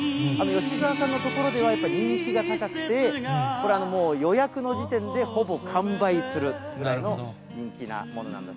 吉澤さんのところでは、やっぱり人気が高くて、これはもう予約の時点でほぼ完売するぐらいの人気なものなんだそ